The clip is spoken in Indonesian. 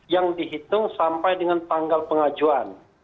yang dihitung sampai dengan tanggal pengajuan